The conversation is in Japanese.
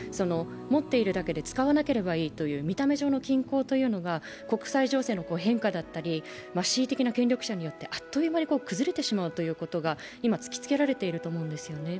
持っているだけで使わなければいいという見た目上の均衡というのは国際情勢の変化だったり恣意的な権力者によってあっという間に崩れてしまうということが今、突きつけられていると思うんです。